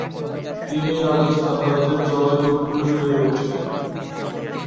তিনি রাজস্থান রাজ্যের জয়পুরে বেড়ে ওঠেন।